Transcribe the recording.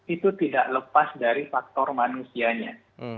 itu tidak lepas dari faktor manusianya